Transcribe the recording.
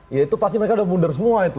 ya itu pasti mereka udah mundur semua itu